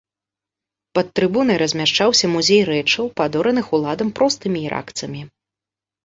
Пад трыбунай размяшчаўся музей рэчаў, падораных уладам простымі іракцамі.